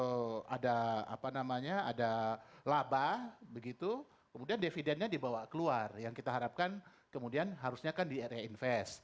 begitu ada apa namanya ada labah begitu kemudian dividendnya dibawa keluar yang kita harapkan kemudian harusnya kan di reinvest